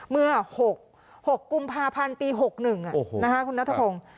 เมื่อ๖กุมภาพันธ์ปี๖๑คุณนัทพงศ์